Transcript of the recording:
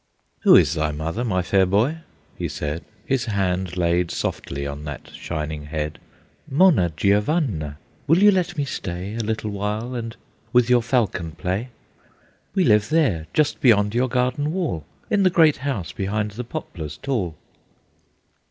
"Who is thy mother, my fair boy?" he said, His hand laid softly on that shining head. "Monna Giovanna. Will you let me stay A little while, and with your falcon play? We live there, just beyond your garden wall, In the great house behind the poplars tall."